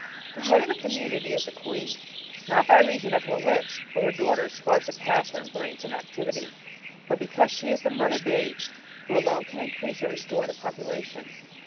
The head of the community Natural Hlstoty 523 is the queen, not by reason of her wits, for her daughters far surpass her in brains and activity, but because she is the mother bee, who alone can increase or restore the population.